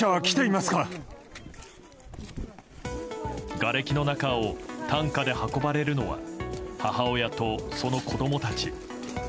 がれきの中を担架で運ばれるのは母親とその子供たち。